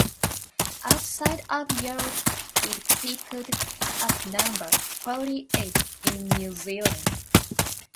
Outside of Europe, it peaked at number forty-eight in New Zealand.